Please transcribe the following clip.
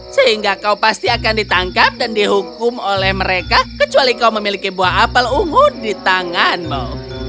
sehingga kau pasti akan ditangkap dan dihukum oleh mereka kecuali kau memiliki buah apel ungu di tanganmu